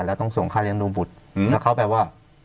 แล้วต้องส่งค่าเลี้ยงดูบุตรแล้วเขาแบบว่า